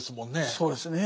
そうですね。